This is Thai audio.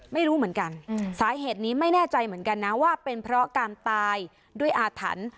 ไม่รู้เหมือนกันสาเหตุนี้ไม่แน่ใจเหมือนกันนะว่าเป็นเพราะการตายด้วยอาถรรพ์